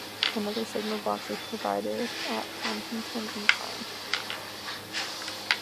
Another signal box was provided at Honiton Incline.